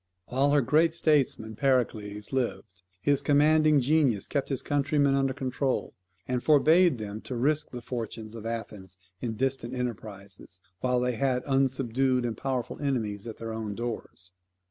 While her great statesman Pericles lived, his commanding genius kept his countrymen under control and forbade them to risk the fortunes of Athens in distant enterprises, while they had unsubdued and powerful enemies at their own doors.